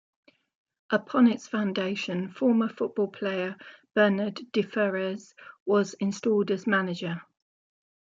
Upon its foundation, former football player Bernard Deferrez was installed as manager.